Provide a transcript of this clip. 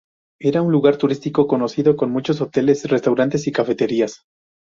Era un lugar turístico conocido, con muchos hoteles, restaurantes y cafeterías.